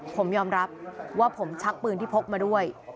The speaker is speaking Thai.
ผมยอมรับว่าผมชักปืนที่พกมาด้วย